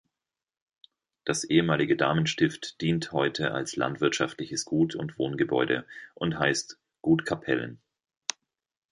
Das ehemalige Damenstift dient heute als landwirtschaftliches Gut und Wohngebäude und heißt "Gut Capellen".